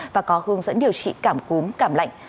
và có hướng dẫn điều trị cảm cúm cảm lạnh